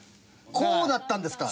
こうだったんですか？